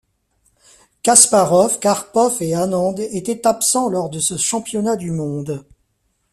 Kasparov, Karpov et Anand étaient absents lors de ce championnat du monde.